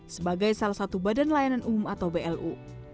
sebagai salah satu badan layanan umum atau blu